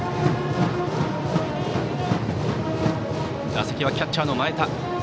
打席はキャッチャーの前田。